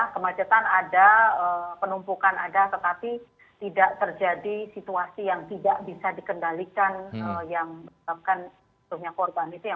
kemudian diatur jadwal one way